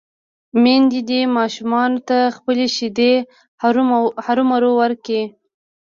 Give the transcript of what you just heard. ميندې دې ماشومانو ته خپلې شېدې هرومرو ورکوي